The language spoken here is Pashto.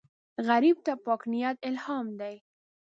غریب ته پاک نیت الهام دی